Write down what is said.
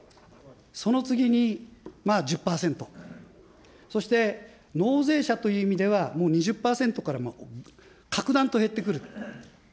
その次に１０％、そして納税者という意味では、もう２０％から、格段と減ってくる。